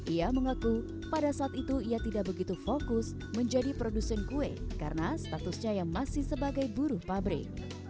ia mengaku pada saat itu ia tidak begitu fokus menjadi produsen kue karena statusnya yang masih sebagai buruh pabrik